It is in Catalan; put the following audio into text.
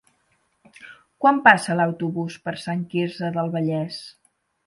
Quan passa l'autobús per Sant Quirze del Vallès?